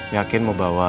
yakin mau bawa